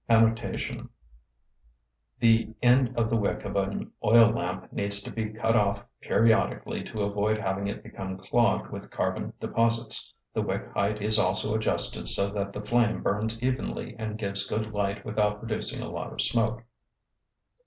{The end of the wick of an oil lamp needs to be cut off periodically to avoid having it become clogged with carbon deposits. The wick height is also adjusted so that the flame burns evenly and gives good light without producing a lot of smoke.